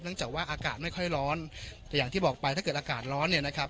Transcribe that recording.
จากว่าอากาศไม่ค่อยร้อนแต่อย่างที่บอกไปถ้าเกิดอากาศร้อนเนี่ยนะครับ